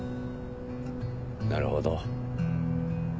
なるほど。